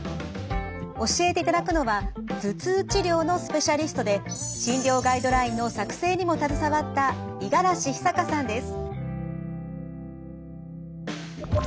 教えていただくのは頭痛治療のスペシャリストで診療ガイドラインの作成にも携わった五十嵐久佳さんです。